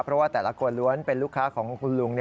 เพราะว่าแต่ละคนล้วนเป็นลูกค้าของคุณลุง